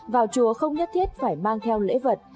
vào chùa không nhất thiết phải mang theo lễ vật